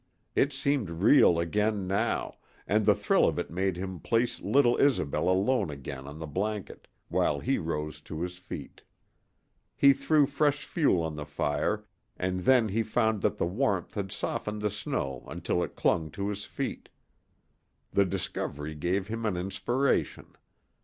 It seemed real again now, and the thrill of it made him place little Isobel alone again on the blanket, while he rose to his feet. He threw fresh fuel on the fire, and then he found that the warmth had softened the snow until it clung to his feet. The discovery gave him an inspiration.